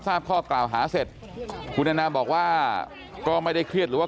ทราบข้อกล่าวหาเสร็จคุณแอนนามบอกว่าก็ไม่ได้เครียดหรือว่า